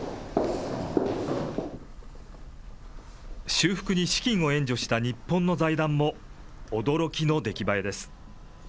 修復に資金を援助した日本の財団も驚きの出来栄えです。